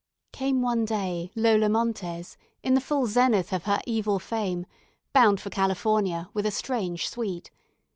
Came one day, Lola Montes, in the full zenith of her evil fame, bound for California, with a strange suite.